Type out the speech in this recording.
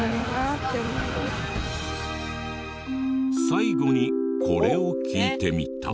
最後にこれを聞いてみた。